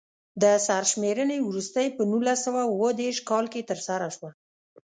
د سرشمېرنې وروستۍ په نولس سوه اووه دېرش کال کې ترسره شوه.